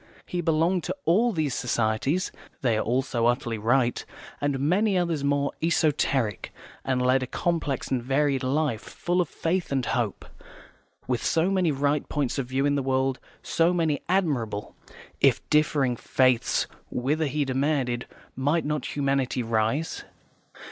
He belonged to all these societies (they are all so utterly right) and many others more esoteric, and led a complex and varied life, full of faith and hope. With so many right points of view in the world, so many admirable, if differing, faiths, whither, he demanded, might not humanity rise?